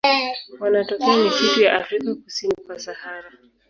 Wanatokea misitu ya Afrika kusini kwa Sahara.